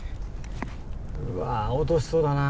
うわ落としそうだなあ。